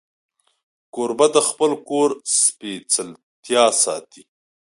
کوربه د خپل کور سپېڅلتیا ساتي.